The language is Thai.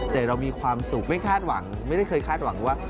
แต่เรามีความสุขไม่ได้เคยคาดหวังว่า